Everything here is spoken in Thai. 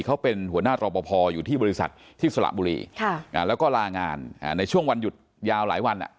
เขาเป็นหัวหน้ารอปภอยู่ที่บริษัทที่สระบุรีแล้วก็ลางานในช่วงวันหยุดยาวหลายวัน